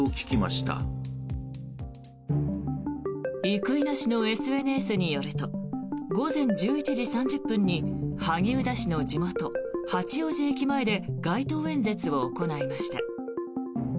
生稲氏のＳＮＳによると午前１１時３０分に萩生田氏の地元・八王子駅前で街頭演説を行いました。